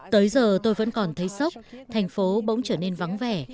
tới giờ tôi vẫn còn thấy sốc thành phố bỗng trở nên vắng vẻ